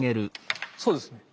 そうですね！